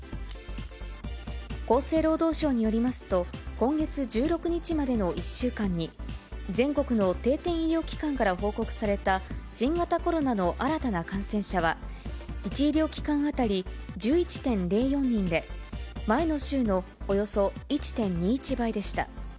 厚生労働省によりますと、今月１６日までの１週間に全国の定点医療機関から報告された新型コロナの新たな感染者は、１医療機関当たり１１．０４人で、前の週のおよそ１．２１倍でした。